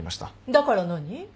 だから何？